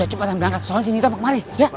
eh udah cepetan berangkat soalnya sini tamak mari